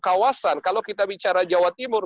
kawasan kalau kita bicara jawa timur